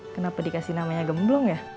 kenapa dikasih namanya gemblong ya